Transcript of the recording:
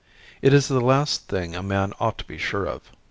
"It is the last thing a man ought to be sure of."